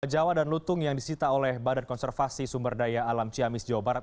jawa dan lutung yang disita oleh badan konservasi sumber daya alam ciamis jawa barat